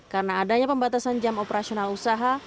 karena adanya pembatasan jam operasional usaha